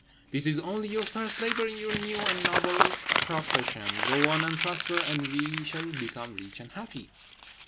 This is only your first labour in your new and noble profession. Go on and prosper, and we shall become rich and happy."